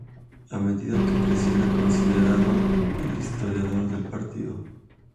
A medida que crecía, era considerado el historiador del Partido.